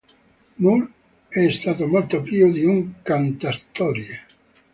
Moore è stato molto più di un cantastorie.